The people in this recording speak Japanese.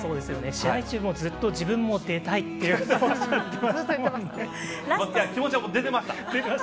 試合中もずっと自分も出たい気持ちはもう出てました。